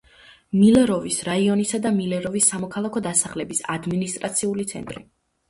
მილეროვოს რაიონისა და მილეროვოს საქალაქო დასახლების ადმინისტრაციული ცენტრი.